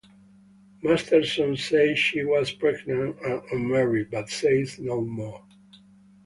Masterson says she was pregnant and unmarried but says no more.